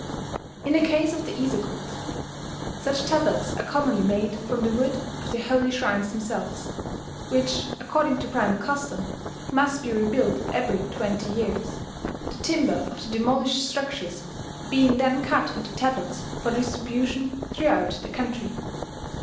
In the case of the Ise cult, such tablets are commonly made from the wood of the holy shrines themselves, which, according to primal custom, must be rebuilt every twenty years, the timber of the demolished structures being then cut into tablets for distribution throughout the country.